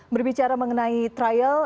berbicara mengenai trial